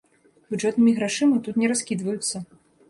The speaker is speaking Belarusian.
Бюджэтнымі грашыма тут не раскідваюцца.